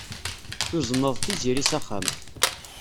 Tuzneḍ Tiziri s axxam.